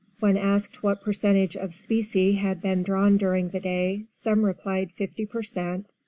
When asked what percentage of specie had been drawn during the day some replied fifty per cent.